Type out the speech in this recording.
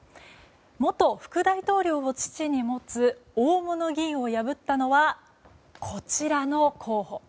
元副大統領を父に持つ大物議員を破ったのはこちらの候補。